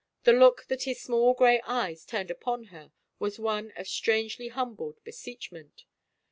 The look that his small gray eyes turned upon her was one of strangely humble beseechment.